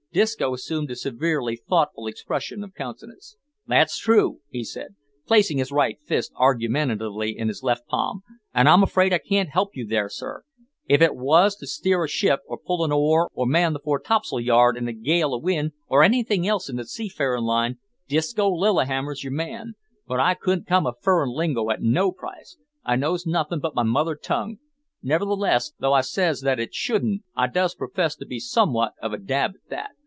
Disco assumed a severely thoughtful expression of countenance. "That's true," he said, placing his right fist argumentatively in his left palm, "and I'm afeard I can't help you there, sir. If it wos to steer a ship or pull a oar or man the fore tops'l yard in a gale o' wind, or anything else in the seafarin' line, Disco Lillihammer's your man, but I couldn't come a furrin' lingo at no price. I knows nothin' but my mother tongue, nevertheless, though I says it that shouldn't, I does profess to be somewhat of a dab at that.